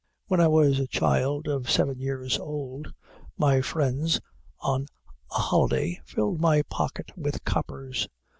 When I was a child of seven years old, my friends, on a holiday, filled my pocket with coppers.